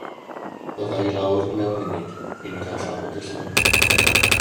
Fydda i lawr mewn munud i ni gael trafod y lluniau.